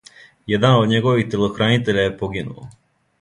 Један од његових телохранитеља је погинуо.